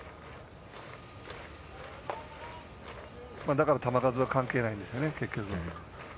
だから球数は関係ないんですよね。